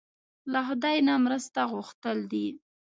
له خدای نه مرسته غوښتل دي.